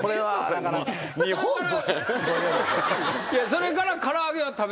それから。